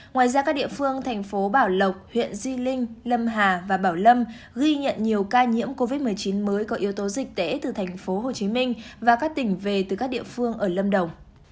ngoài ra các địa phương thành phố bảo lộc huyện di linh lâm hà và bảo lâm ghi nhận nhiều ca nhiễm covid một mươi chín mới có yếu tố dịch tễ từ thành phố hồ chí minh và các tỉnh về từ các địa phương ở lâm đồng